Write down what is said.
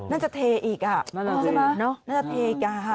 น่าจะเทอีกอ่ะน่าจะเทอีกอ่ะน่าจะเทอีกอ่ะค่ะ